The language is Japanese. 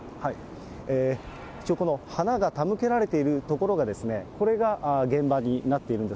一応、この花が手向けられている所が、これが現場になっているんです。